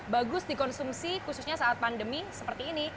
bagus dikonsumsi khususnya saat pandemi seperti ini